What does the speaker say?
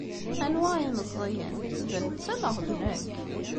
Anwa ay meẓẓiyen, d netta neɣ d nekk?